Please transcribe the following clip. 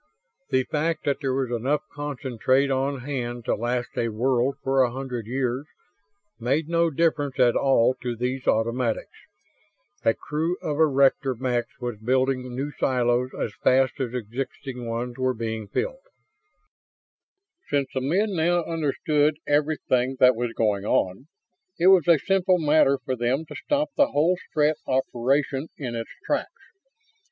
The fact that there was enough concentrate on hand to last a world for a hundred years made no difference at all to these automatics; a crew of erector mechs was building new silos as fast as existing ones were being filled. Since the men now understood everything that was going on, it was a simple matter for them to stop the whole Strett operation in its tracks.